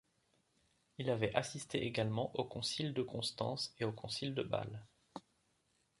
Il avait assisté également au Concile de Constance et au Concile de Bâle.